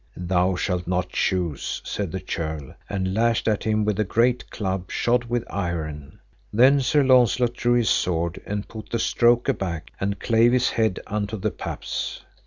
Thou shalt not choose, said the churl, and lashed at him with a great club shod with iron. Then Sir Launcelot drew his sword and put the stroke aback, and clave his head unto the paps.